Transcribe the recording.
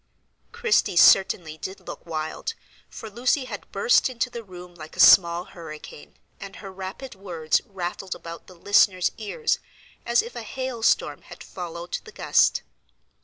Christie certainly did look wild, for Lucy had burst into the room like a small hurricane, and her rapid words rattled about the listeners' ears as if a hail storm had followed the gust.